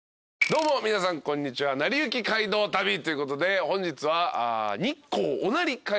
どうも皆さんこんにちは『なりゆき街道旅』ということで本日は。